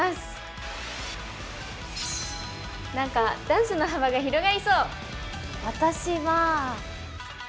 なんかダンスの幅が広がりそう。